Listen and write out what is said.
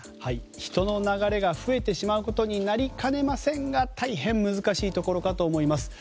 人の流れが増えてしまうことになりかねませんが大変難しいところかと思います。